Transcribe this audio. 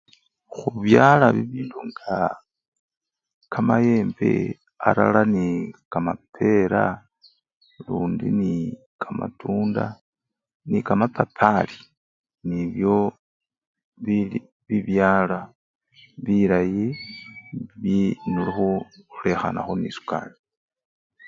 Khubyala bibindu nga kamayembe alala nekamapera lundi nikamatunda nikamapapari nibyo bili bibyala bilayi bi nuulu! khulekhanakho nesukari.